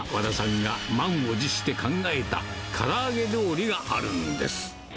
がまんをじして考えたから揚げ料理があるんです。